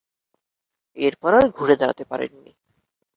এরপর আর ঘুরে দাঁড়াতে পারেনি।